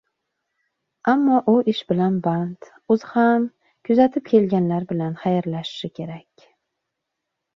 Ammo u ish bilan band, o'zi ham quzatib kelganlar bilan xayrlashishi kerak.